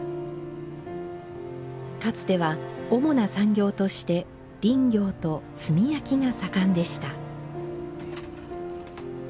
かつては主な産業として林業と炭焼きが盛んでした。